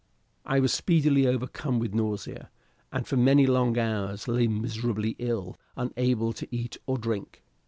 I was speedily overcome with nausea, and for many long hours lay miserably ill, unable to eat or drink.